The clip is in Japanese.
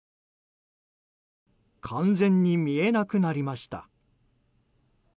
完全に見えなくなりました。